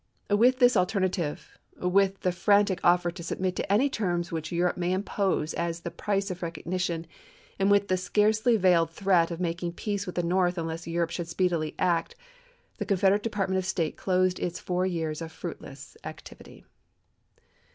With this alternative, — with the fran ibid, tic offer to submit to any terms which Europe may impose as the price of recognition, and with the scarcely veiled threat of making peace with the North unless Europe should speedily act — the Con federate Department of State closed its four years of fruitless activity.